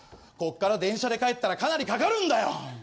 こっから電車で帰ったらかなりかかるんだよ！